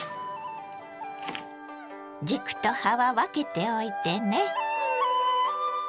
軸と葉は分けておいてね。